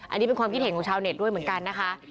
อันนี้เป็นความคิดเห็นของชาวเน็ตด้วยเหมือนกันนะคะ